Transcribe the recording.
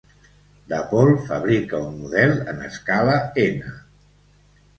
Dapol fabrica un model en escala N.